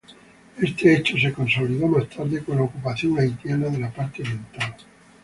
Este hecho se consolidó más tarde con la ocupación haitiana de la parte oriental.